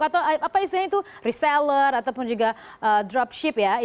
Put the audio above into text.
atau apa istilahnya itu reseller ataupun juga dropship ya